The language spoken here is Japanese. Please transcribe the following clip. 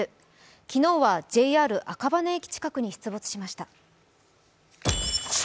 昨日はＪＲ赤羽駅近くに出没しました。